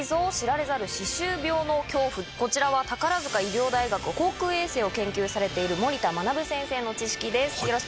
こちらは宝塚医療大学口腔衛生を研究されている森田学先生の知識です。